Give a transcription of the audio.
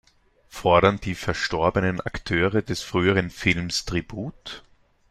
Fordern die verstorbenen Akteure des früheren Films Tribut?